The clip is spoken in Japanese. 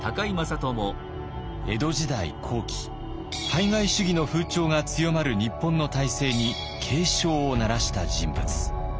江戸時代後期排外主義の風潮が強まる日本の体制に警鐘を鳴らした人物。